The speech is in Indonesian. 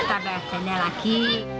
bisa tambah dana lagi